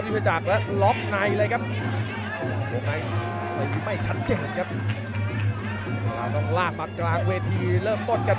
ทำลายจังหว่าของยุทธกักพยายามดึงนิดนึง